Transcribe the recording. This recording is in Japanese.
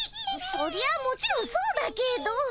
そりゃもちろんそうだけど。